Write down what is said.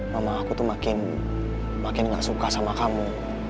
mama aku tuh makin gak suka sama kamu